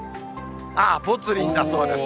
ぽつリンだそうです。